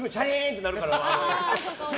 って鳴るから。